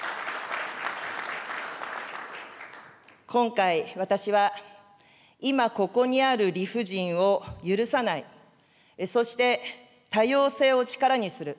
今回、私は、今ここにある理不尽を許さない、そして、多様性を力にする。